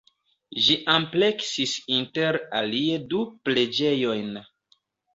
Ĝi ampleksis inter alie du preĝejojn.